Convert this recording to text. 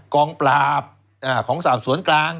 กองปราบของสอบสวนกลาง